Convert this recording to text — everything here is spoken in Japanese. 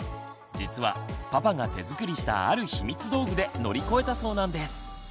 実はパパが手作りしたある秘密道具で乗り越えたそうなんです。